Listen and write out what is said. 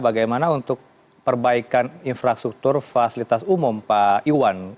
bagaimana untuk perbaikan infrastruktur fasilitas umum pak iwan